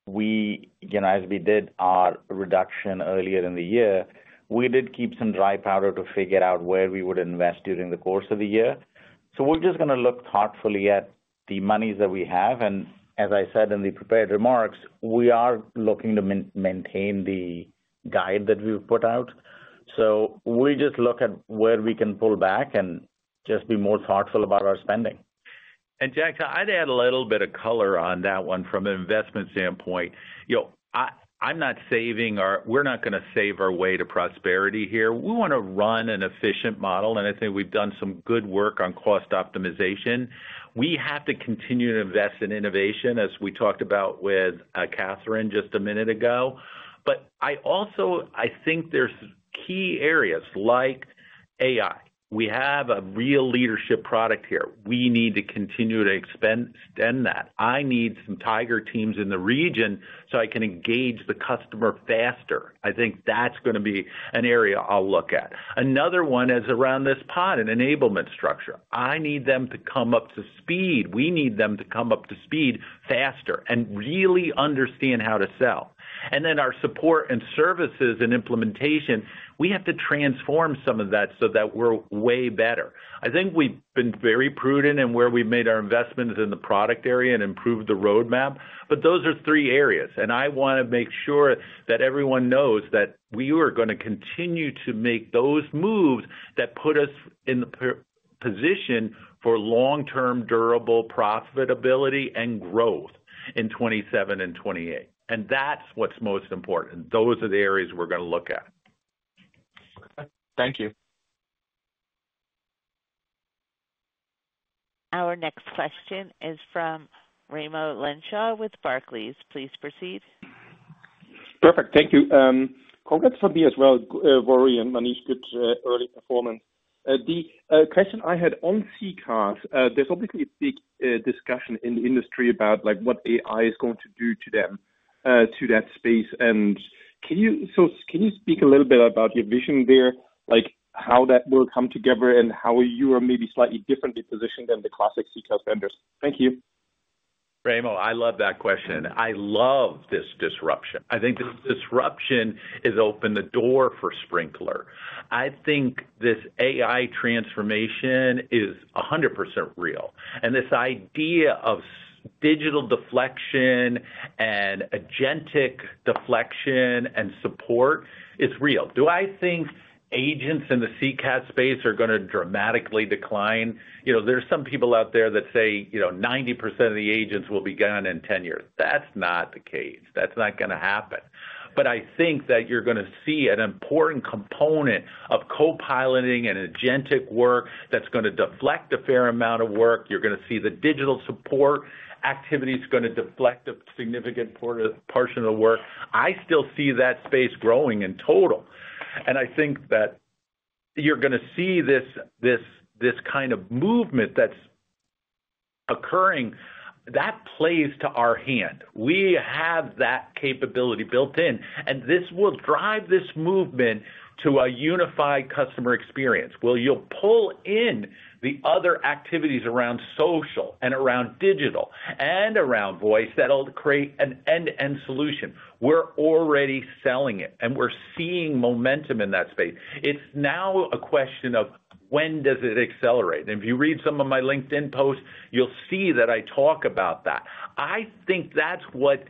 we did our reduction earlier in the year, we did keep some dry powder to figure out where we would invest during the course of the year. We're just going to look thoughtfully at the monies that we have. As I said in the prepared remarks, we are looking to maintain the guide that we've put out. We'll just look at where we can pull back and just be more thoughtful about our spending. Jackson, I'd add a little bit of color on that one from an investment standpoint. I'm not saying we're not going to save our way to prosperity here. We want to run an efficient model, and I think we've done some good work on cost optimization. We have to continue to invest in innovation, as we talked about with Katherine just a minute ago. I also think there's key areas like AI. We have a real leadership product here. We need to continue to extend that. I need some tiger teams in the region so I can engage the customer faster. I think that's going to be an area I'll look at. Another one is around this pod and enablement structure. I need them to come up to speed. We need them to come up to speed faster and really understand how to sell. Then our support and services and implementation, we have to transform some of that so that we're way better. I think we've been very prudent in where we've made our investments in the product area and improved the roadmap. Those are three areas. I want to make sure that everyone knows that we are going to continue to make those moves that put us in the position for long-term durable profitability and growth in 27 and 28. That is what is most important. Those are the areas we are going to look at. Thank you. Our next question is from Raymond James with Barclays. Please proceed. Perfect. Thank you. Congrats from me as well, Rory and Manish. Good early performance. The question I had on CCaaS, there is obviously a big discussion in the industry about what AI is going to do to that space. Can you speak a little bit about your vision there, how that will come together and how you are maybe slightly differently positioned than the classic CCaaS vendors? Thank you. Raymond, I love that question. I love this disruption. I think this disruption has opened the door for Sprinklr. I think this AI transformation is 100% real. This idea of digital deflection and agentic deflection and support is real. Do I think agents in the CCaaS space are going to dramatically decline? There are some people out there that say 90% of the agents will be gone in 10 years. That's not the case. That's not going to happen. I think that you're going to see an important component of co-piloting and agentic work that's going to deflect a fair amount of work. You're going to see the digital support activity is going to deflect a significant portion of the work. I still see that space growing in total. I think that you're going to see this kind of movement that's occurring. That plays to our hand. We have that capability built in. This will drive this movement to a unified customer experience. You pull in the other activities around social and around digital and around voice that will create an end-to-end solution. We are already selling it, and we are seeing momentum in that space. It is now a question of when does it accelerate? If you read some of my LinkedIn posts, you will see that I talk about that. I think that is what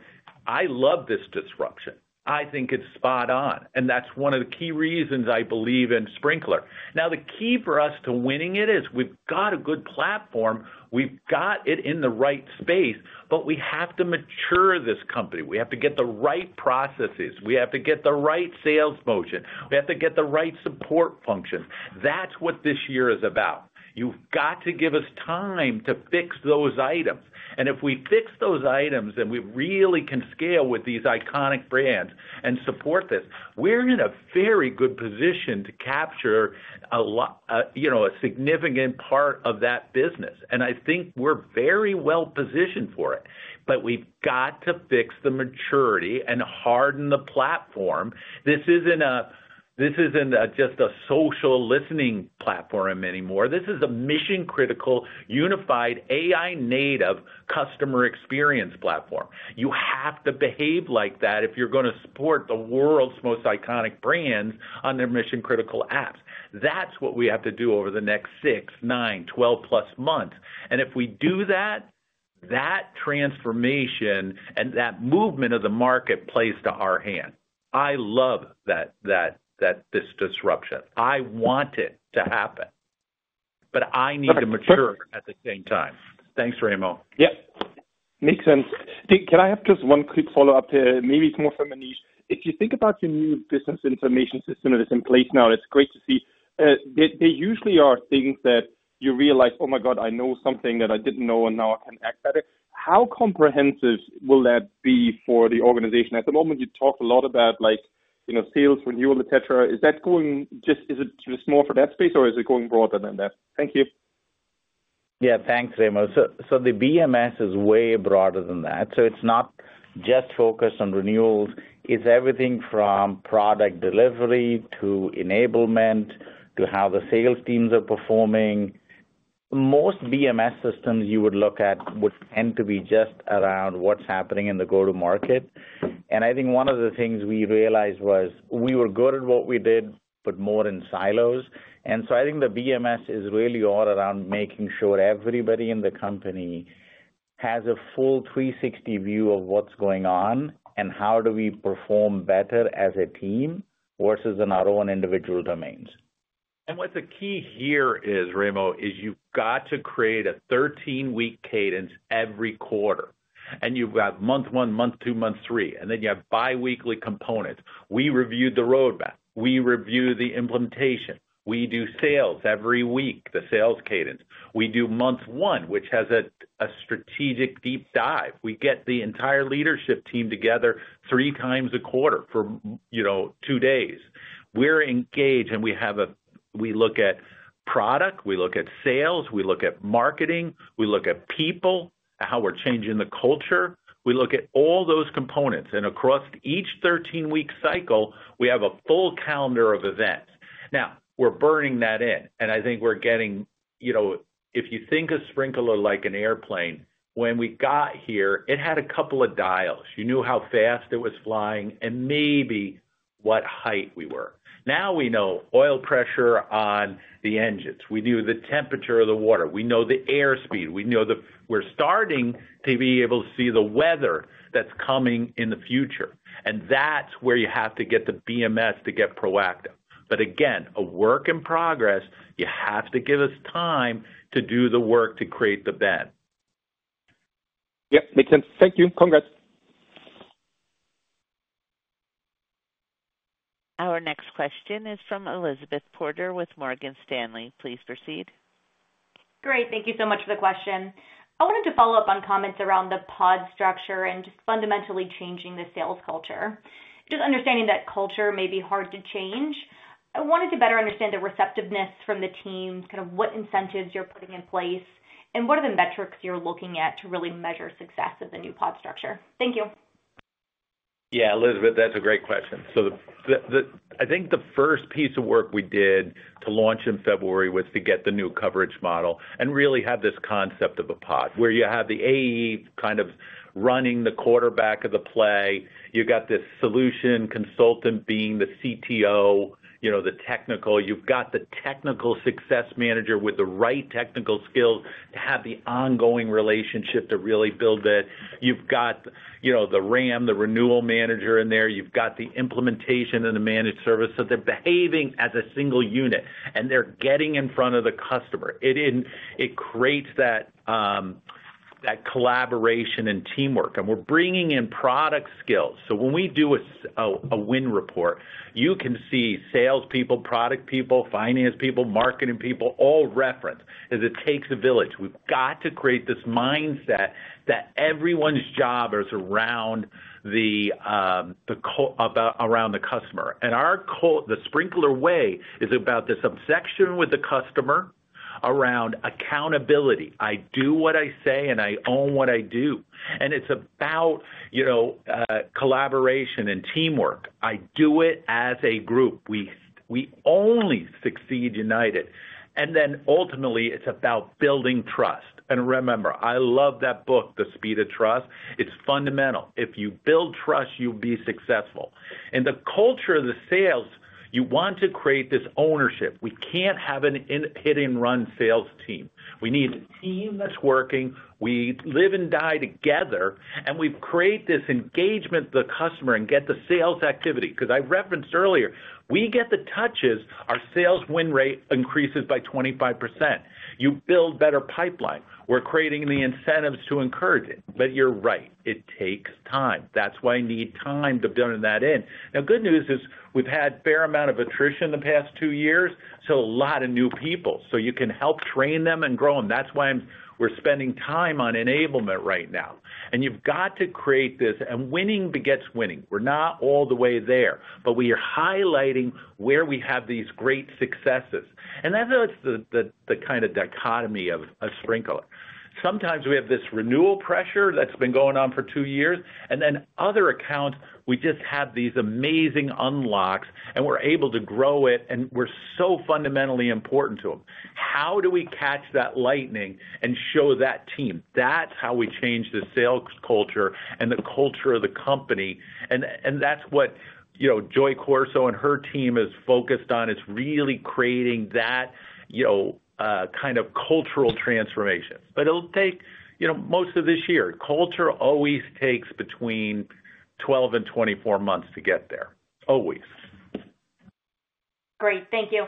I love, this disruption. I think it is spot on. That is one of the key reasons I believe in Sprinklr. Now, the key for us to winning it is we have got a good platform. We have got it in the right space, but we have to mature this company. We have to get the right processes. We have to get the right sales motion. We have to get the right support functions. That is what this year is about. You have got to give us time to fix those items. If we fix those items and we really can scale with these iconic brands and support this, we're in a very good position to capture a significant part of that business. I think we're very well positioned for it. We have to fix the maturity and harden the platform. This is not just a social listening platform anymore. This is a mission-critical, unified, AI-native customer experience platform. You have to behave like that if you're going to support the world's most iconic brands on their mission-critical apps. That is what we have to do over the next 6, 9, 12-plus months. If we do that, that transformation and that movement of the market plays to our hand. I love this disruption. I want it to happen, but I need to mature at the same time. Thanks, Raymond. Yeah. Makes sense. Can I have just one quick follow-up? Maybe it's more for Manish. If you think about your new business information system that is in place now, it's great to see. There usually are things that you realize, "Oh my God, I know something that I didn't know, and now I can act at it." How comprehensive will that be for the organization? At the moment, you talked a lot about sales, renewal, etc. Is that going just is it just more for that space, or is it going broader than that? Thank you. Yeah. Thanks, Raymond. So the BMS is way broader than that. It's not just focused on renewals. It's everything from product delivery to enablement to how the sales teams are performing. Most BMS systems you would look at would tend to be just around what's happening in the go-to-market. I think one of the things we realized was we were good at what we did, but more in silos. I think the BMS is really all around making sure everybody in the company has a full 360 view of what's going on and how do we perform better as a team versus in our own individual domains. What the key here is, Raymond, is you've got to create a 13-week cadence every quarter. You've got month one, month two, month three. Then you have bi-weekly components. We review the roadmap. We review the implementation. We do sales every week, the sales cadence. We do month one, which has a strategic deep dive. We get the entire leadership team together three times a quarter for two days. We're engaged, and we look at product. We look at sales. We look at marketing. We look at people, how we're changing the culture. We look at all those components. Across each 13-week cycle, we have a full calendar of events. Now, we're burning that in. I think we're getting, if you think of Sprinklr like an airplane, when we got here, it had a couple of dials. You knew how fast it was flying and maybe what height we were. Now we know oil pressure on the engines. We know the temperature of the water. We know the airspeed. We're starting to be able to see the weather that's coming in the future. That's where you have to get the BMS to get proactive. Again, a work in progress. You have to give us time to do the work to create the bed. Yep. Makes sense. Thank you. Congrats. Our next question is from Elizabeth Porter with Morgan Stanley. Please proceed. Great. Thank you so much for the question. I wanted to follow up on comments around the pod structure and just fundamentally changing the sales culture. Just understanding that culture may be hard to change. I wanted to better understand the receptiveness from the teams, kind of what incentives you're putting in place, and what are the metrics you're looking at to really measure success of the new pod structure. Thank you. Yeah. Elizabeth, that's a great question. I think the first piece of work we did to launch in February was to get the new coverage model and really have this concept of a pod where you have the AE kind of running the quarterback of the play. You've got this solution consultant being the CTO, the technical. You've got the technical success manager with the right technical skills to have the ongoing relationship to really build it. You've got the RAM, the renewal manager in there. You've got the implementation and the managed service. They are behaving as a single unit, and they are getting in front of the customer. It creates that collaboration and teamwork. We are bringing in product skills. When we do a win report, you can see salespeople, product people, finance people, marketing people, all referenced as it takes a village. We've got to create this mindset that everyone's job is around the customer. The Sprinklr way is about this obsession with the customer around accountability. I do what I say, and I own what I do. It is about collaboration and teamwork. I do it as a group. We only succeed united. Ultimately, it is about building trust. I love that book, The Speed of Trust. It's fundamental. If you build trust, you'll be successful. In the culture of the sales, you want to create this ownership. We can't have a hit-and-run sales team. We need a team that's working. We live and die together. We've created this engagement with the customer and get the sales activity. Because I referenced earlier, we get the touches, our sales win rate increases by 25%. You build better pipeline. We're creating the incentives to encourage it. You're right. It takes time. That's why you need time to build that in. The good news is we've had a fair amount of attrition in the past two years. A lot of new people. You can help train them and grow them. That's why we're spending time on enablement right now. You've got to create this. Winning begets winning. We're not all the way there, but we are highlighting where we have these great successes. That's the kind of dichotomy of Sprinklr. Sometimes we have this renewal pressure that's been going on for two years. In other accounts, we just have these amazing unlocks, and we're able to grow it, and we're so fundamentally important to them. How do we catch that lightning and show that team? That's how we change the sales culture and the culture of the company. That's what Joy Corso and her team is focused on. It's really creating that kind of cultural transformation. It'll take most of this year. Culture always takes between 12 and 24 months to get there. Always. Great. Thank you.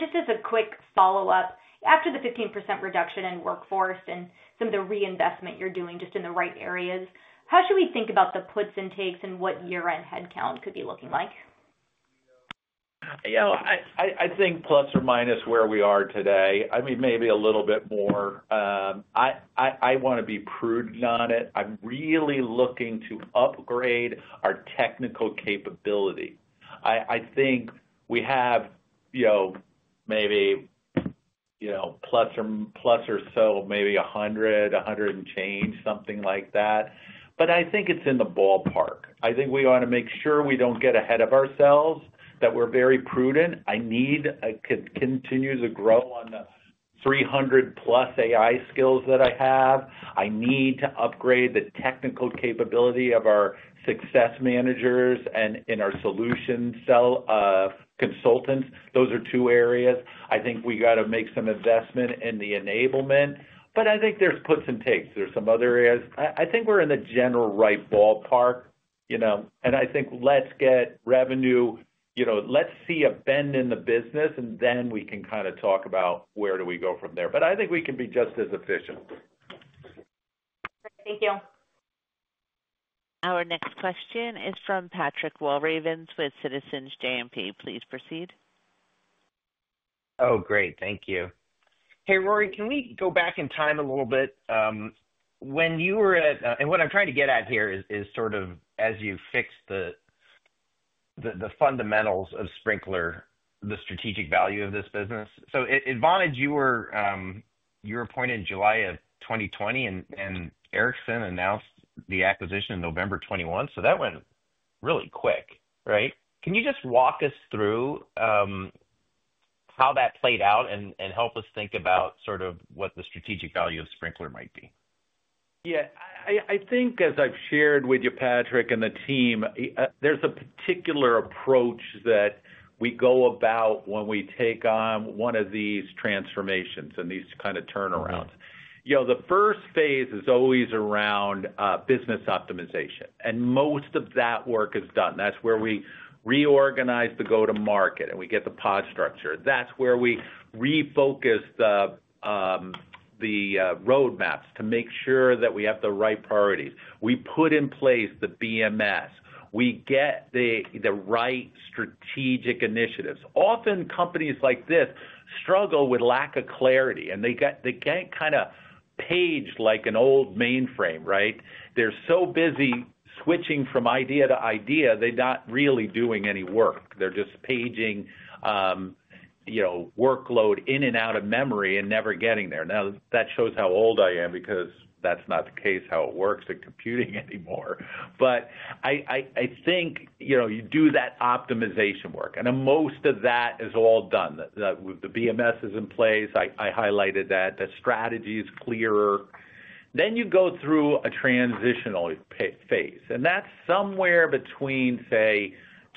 Just as a quick follow-up, after the 15% reduction in workforce and some of the reinvestment you're doing just in the right areas, how should we think about the puts and takes and what year-end headcount could be looking like? Yeah. I think plus or minus where we are today. I mean, maybe a little bit more. I want to be prudent on it. I'm really looking to upgrade our technical capability. I think we have maybe plus or so, maybe 100, 100 and change, something like that. But I think it's in the ballpark. I think we ought to make sure we don't get ahead of ourselves, that we're very prudent. I need to continue to grow on the 300-plus AI skills that I have. I need to upgrade the technical capability of our success managers and in our solution consultants. Those are two areas. I think we got to make some investment in the enablement. I think there's puts and takes. There's some other areas. I think we're in the general right ballpark. I think let's get revenue. Let's see a bend in the business, and then we can kind of talk about where do we go from there. I think we can be just as efficient. Thank you. Our next question is from Patrick Walravens with Citizens JMP. Please proceed. Oh, great. Thank you. Hey, Rory, can we go back in time a little bit? When you were at and what I'm trying to get at here is sort of as you fix the fundamentals of Sprinklr, the strategic value of this business. So Vonage, you were appointed in July of 2020, and Ericsson announced the acquisition in November 2021. That went really quick, right? Can you just walk us through how that played out and help us think about sort of what the strategic value of Sprinklr might be? Yeah. I think as I've shared with you, Patrick, and the team, there's a particular approach that we go about when we take on one of these transformations and these kind of turnarounds. The first phase is always around business optimization. And most of that work is done. That's where we reorganize the go-to-market, and we get the pod structure. That's where we refocus the roadmaps to make sure that we have the right priorities. We put in place the BMS. We get the right strategic initiatives. Often, companies like this struggle with lack of clarity, and they get kind of paged like an old mainframe, right? They're so busy switching from idea to idea, they're not really doing any work. They're just paging workload in and out of memory and never getting there. Now, that shows how old I am because that's not the case how it works in computing anymore. I think you do that optimization work. Most of that is all done. The BMS is in place. I highlighted that. The strategy is clearer. You go through a transitional phase. That's somewhere between, say,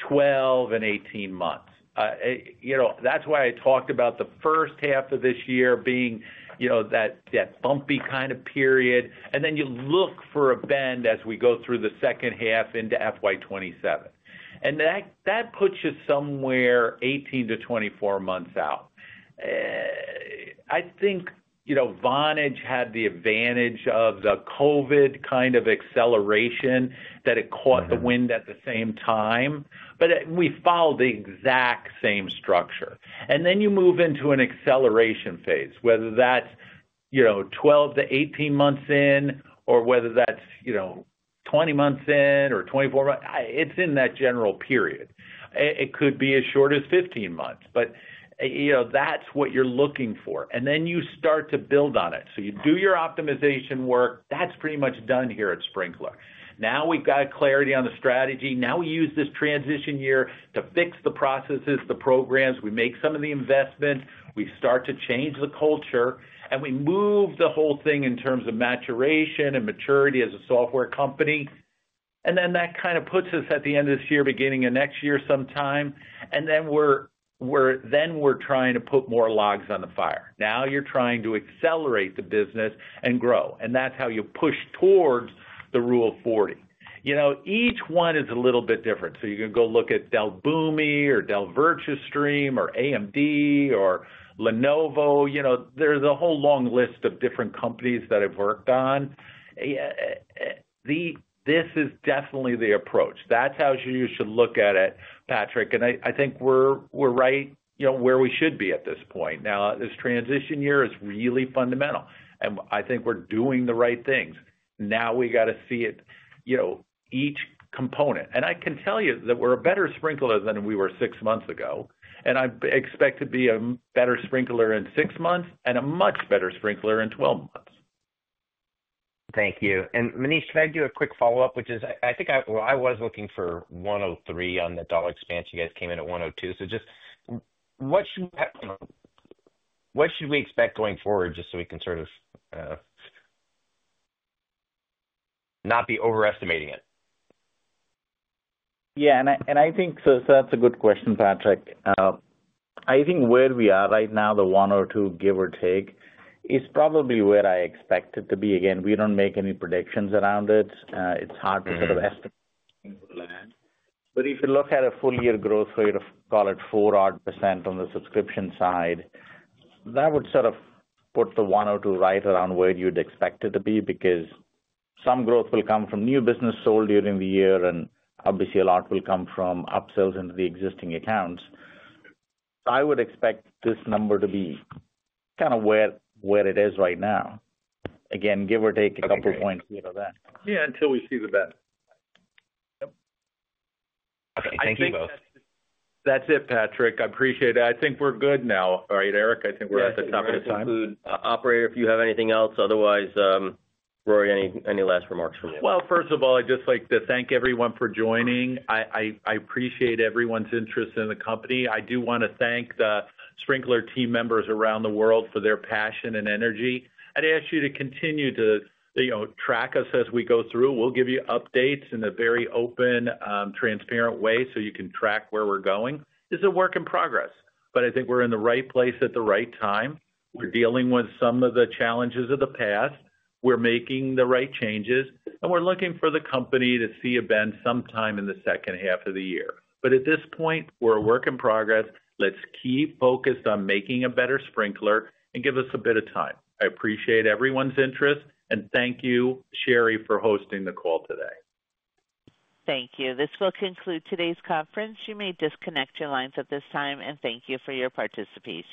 12 and 18 months. That's why I talked about the first half of this year being that bumpy kind of period. You look for a bend as we go through the second half into FY27. That puts you somewhere 18 to 24 months out. I think Vonage had the advantage of the COVID kind of acceleration that it caught the wind at the same time. We followed the exact same structure. You move into an acceleration phase, whether that's 12 to 18 months in, or whether that's 20 months in or 24 months. It's in that general period. It could be as short as 15 months, but that's what you're looking for. You start to build on it. You do your optimization work. That's pretty much done here at Sprinklr. Now we've got clarity on the strategy. Now we use this transition year to fix the processes, the programs. We make some of the investment. We start to change the culture. We move the whole thing in terms of maturation and maturity as a software company. That kind of puts us at the end of this year, beginning of next year sometime. We're trying to put more logs on the fire. Now you're trying to accelerate the business and grow. That is how you push towards the Rule of 40. Each one is a little bit different. You can go look at Dell Boomi or Dell Virtustream or AMD or Lenovo. There is a whole long list of different companies that I have worked on. This is definitely the approach. That is how you should look at it, Patrick. I think we are right where we should be at this point. This transition year is really fundamental. I think we are doing the right things. Now we have to see each component. I can tell you that we are a better Sprinklr than we were six months ago. I expect to be a better Sprinklr in six months and a much better Sprinklr in 12 months. Thank you. Manish, can I do a quick follow-up? I think I was looking for 103% on the dollar expansion. You guys came in at 102. So just what should we expect going forward just so we can sort of not be overestimating it? Yeah. I think that is a good question, Patrick. I think where we are right now, the 102, give or take, is probably where I expect it to be. Again, we do not make any predictions around it. It is hard to sort of estimate where we are going to land. If you look at a full-year growth rate of, call it, 4% on the subscription side, that would sort of put the 102 right around where you would expect it to be because some growth will come from new business sold during the year, and obviously, a lot will come from upsells into the existing accounts. I would expect this number to be kind of where it is right now. Again, give or take a couple of points here or there. Yeah. Until we see the bed. Yep. Thank you both. That's it, Patrick. I appreciate it. I think we're good now. All right, Eric, I think we're at the top of the time. Thank you, Mr. Operator, if you have anything else. Otherwise, Rory, any last remarks from you? First of all, I'd just like to thank everyone for joining. I appreciate everyone's interest in the company. I do want to thank the Sprinklr team members around the world for their passion and energy. I'd ask you to continue to track us as we go through. We'll give you updates in a very open, transparent way so you can track where we're going. This is a work in progress, but I think we're in the right place at the right time. We're dealing with some of the challenges of the past. We're making the right changes. We're looking for the company to see a bend sometime in the second half of the year. At this point, we're a work in progress. Let's keep focused on making a better Sprinklr and give us a bit of time. I appreciate everyone's interest. Thank you, Sherry, for hosting the call today. Thank you. This will conclude today's conference. You may disconnect your lines at this time. Thank you for your participation.